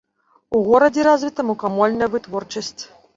У горадзе развіта мукамольная вытворчасць.